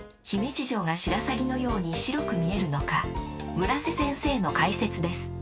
村瀬先生の解説です。